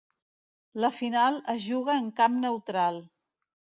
La final es juga en camp neutral.